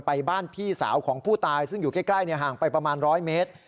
ไปบ้านพี่สาวของผู้ตายซึ่งอยู่ใกล้ห่างไปประมาณ๑๐๐เมตร